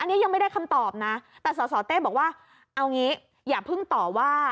อันนี้ยังไม่ได้คำตอบนะแต่สสเต้บอกว่าเอางี้อย่าเพิ่งต่อว่า